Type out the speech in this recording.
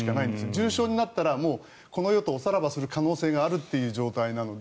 重症になったらもうこの世とおさらばする可能性があるという状態なので。